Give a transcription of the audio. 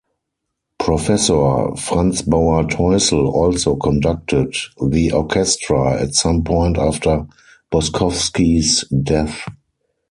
Professor Franz Bauer-Theussl also conducted the orchestra at some point after Boskovsky's death.